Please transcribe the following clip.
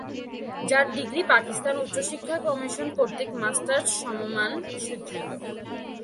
যার ডিগ্রি পাকিস্তান উচ্চ শিক্ষা কমিশন কর্তৃক মাস্টার্স সমমান স্বীকৃত।